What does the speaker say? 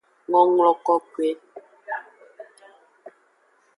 Ngonglo kokoe.